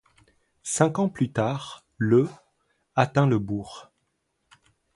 Cinq ans plus tard, le atteint le bourg.